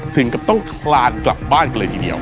ถึงกับต้องคลานกลับบ้านกันเลยทีเดียว